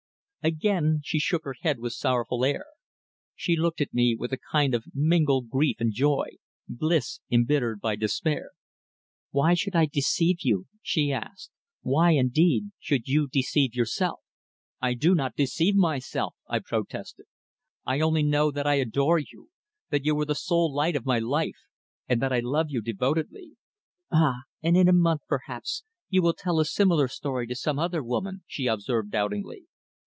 Again she shook her head with sorrowful air. She looked at me with a kind of mingled grief and joy, bliss embittered by despair. "Why should I deceive you?" she asked. "Why, indeed, should you deceive yourself?" "I do not deceive myself," I protested, "I only know that I adore you; that you are the sole light of my life, and that I love you devotedly." "Ah! And in a month, perhaps, you will tell a similar story to some other woman," she observed doubtingly.